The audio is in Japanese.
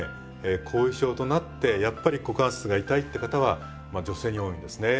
後遺症となってやっぱり股関節が痛いって方はまあ女性に多いんですね。